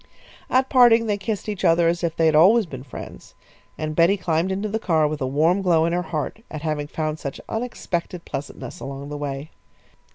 At parting they kissed each other as if they had always been friends, and Betty climbed into the car with a warm glow in her heart at having found such unexpected pleasantness along the way.